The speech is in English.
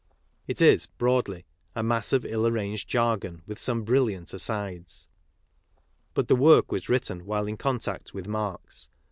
It is, broadly, a mass of"ilPaTfTaTrgsa*^argon with sonie brilliant asides. But the work was written while in contact with Marx, and.